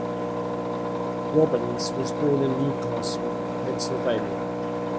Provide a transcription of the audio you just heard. Robbins was born in New Castle, Pennsylvania.